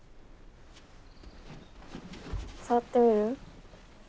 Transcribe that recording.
触ってみる？